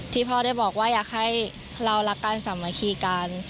พ่อได้บอกว่าอยากให้เรารักกันสามัคคีกัน